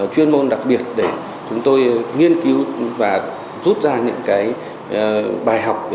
chuyên môn đặc biệt để chúng tôi nghiên cứu và rút ra những cái bài học